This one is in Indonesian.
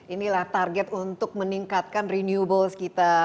inilah target untuk meningkatkan renewables kita